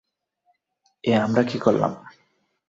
এ আমরা কী করলাম?